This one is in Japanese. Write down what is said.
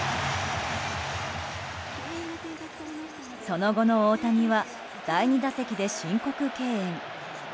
その後の大谷は第２打席で申告敬遠。